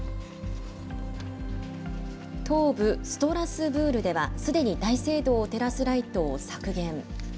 東部ストラスブールでは、すでに大聖堂を照らすライトを削減。